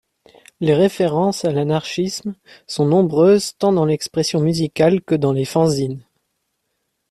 Les références à l'anarchisme sont nombreuses, tant dans l'expression musicale que dans les fanzines.